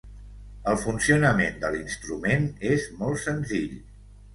El funcionament de l'instrument és molt senzill.